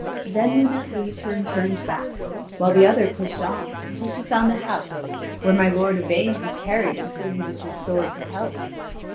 Then Lunete leaves her and turns back; while the other pushed on until she found a house, where my lord Yvain had tarried until he was restored to health.